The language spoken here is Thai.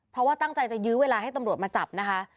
เพราะว่าตั้งใจจะยื้อเวลาให้ตำรวจมาจับนะคะ